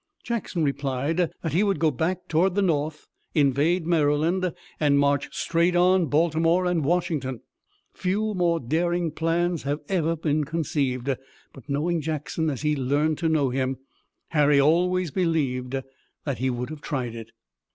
Jackson replied that he would go back toward the north, invade Maryland and march straight on Baltimore and Washington. Few more daring plans have ever been conceived, but, knowing Jackson as he learned to know him, Harry always believed that he would have tried it.